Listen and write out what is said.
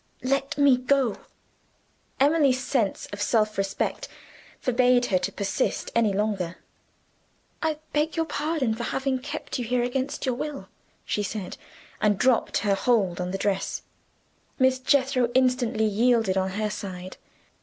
"Let me go!" Emily's sense of self respect forbade her to persist any longer. "I beg your pardon for having kept you here against your will," she said and dropped her hold on the dress. Miss Jethro instantly yielded on her side.